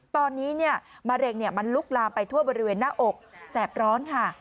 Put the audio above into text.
ตอนนี้มะเร็งมันลุกลามไปทั่วบริเวณหน้าอกแสบร้อนค่ะ